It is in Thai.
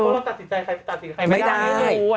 เราตัดสินใจใครแต่ไม่ได้